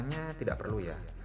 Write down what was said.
rasanya tidak perlu ya